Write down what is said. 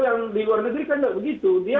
yang di luar negeri kan nggak begitu dia